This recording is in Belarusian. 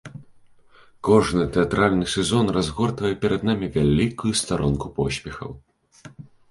Кожны тэатральны сезон разгортвае перад намі вялікую старонку поспехаў.